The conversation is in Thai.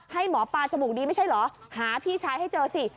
ให้หมอปลาจมูกดีไม่ใช่เหรอหาพี่ชายให้เจอสิ